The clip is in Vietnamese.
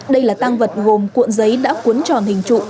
đây là tang vật gồm cuộn giấy đã cuốn tròn hình trụ